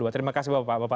terima kasih bapak ibu